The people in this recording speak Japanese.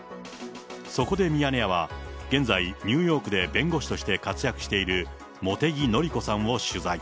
そこでミヤネ屋は、現在、ニューヨークで弁護士として活躍している茂木紀子さんを取材。